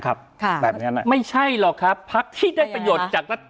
ครับค่ะแบบเนี้ยนะไม่ใช่หรอกครับพักที่ได้ประโยชน์จากรัฐ